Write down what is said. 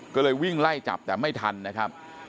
ก็เลยวิ่งไล่จับแต่ไม่ทันนะครับ